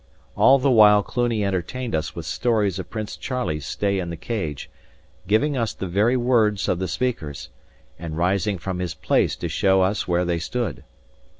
All the while Cluny entertained us with stories of Prince Charlie's stay in the Cage, giving us the very words of the speakers, and rising from his place to show us where they stood.